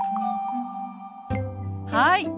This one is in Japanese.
はい。